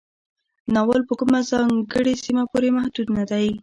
ناول په کومه ځانګړې سیمه پورې محدود نه دی.